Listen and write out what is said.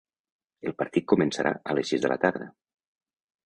El partit començarà a les sis de la tarda.